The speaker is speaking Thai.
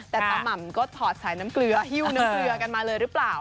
แต่ตาม่ำก็ถอดสายน้ำเกลือหิ้วน้ำเกลือกันมาเลยหรือเปล่า